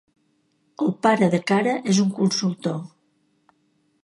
El pare de Cara és un consultor.